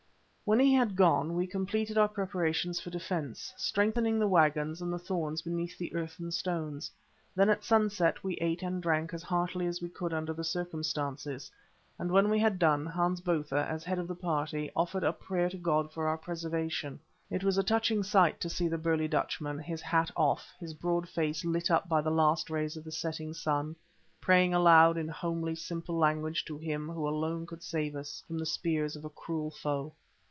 When he had gone we completed our preparations for defence, strengthening the waggons and the thorns beneath with earth and stones. Then at sunset we ate and drank as heartily as we could under the circumstances, and when we had done, Hans Botha, as head of the party, offered up prayer to God for our preservation. It was a touching sight to see the burly Dutchman, his hat off, his broad face lit up by the last rays of the setting sun, praying aloud in homely, simple language to Him who alone could save us from the spears of a cruel foe.